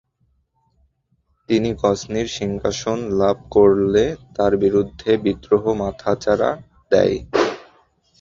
তিনি গজনির সিংহাসন লাভ করলে তার বিরুদ্ধে বিদ্রোহ মাথাচাড়া দেয়।